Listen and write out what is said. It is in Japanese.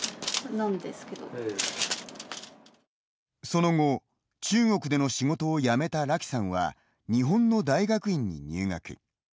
その後、中国での仕事を辞めたラキさんは日本の大学院に入学。